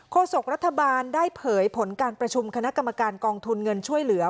โศกรัฐบาลได้เผยผลการประชุมคณะกรรมการกองทุนเงินช่วยเหลือ